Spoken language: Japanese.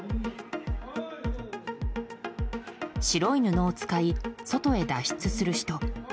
白い布を使い、外へ脱出する人。